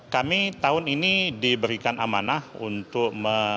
kami tahun ini diberikan amanah untuk